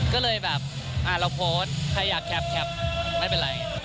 ก็เลยแบบเราโพสต์ใครอยากแคปไม่เป็นไร